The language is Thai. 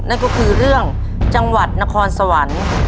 นั่นก็คือเรื่องจังหวัดนครสวรรค์